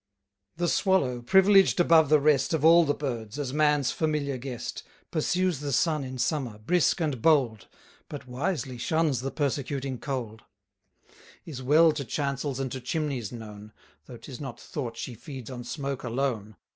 The Swallow, privileged above the rest Of all the birds, as man's familiar guest, Pursues the sun in summer, brisk and bold, But wisely shuns the persecuting cold: 430 Is well to chancels and to chimneys known, Though 'tis not thought she feeds on smoke alone.